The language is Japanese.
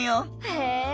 へえ。